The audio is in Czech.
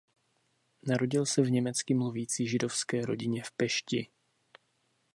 Narodil se v německy mluvící židovské rodině v Pešti.